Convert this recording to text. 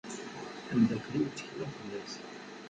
Amdakel-iw ttekle? fell-as.